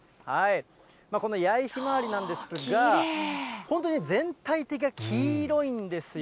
この八重ひまわりなんですが、本当に全体的に黄色いんですよ。